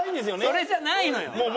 それじゃないのよ。